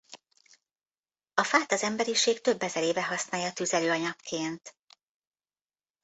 A fát az emberiség több ezer éve használja tüzelőanyagként.